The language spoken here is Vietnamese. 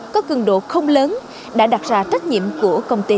có cường độ không lớn đã đặt ra trách nhiệm của công ty